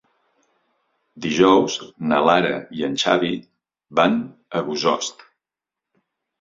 Dijous na Lara i en Xavi van a Bossòst.